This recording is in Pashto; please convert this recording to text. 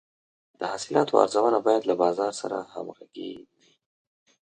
د حاصلاتو ارزونه باید له بازار سره همغږې وي.